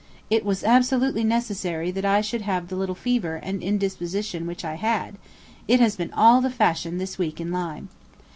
It was absolutely necessary that I should have the little fever and indisposition which I had: it has been all the fashion this week in Lyme.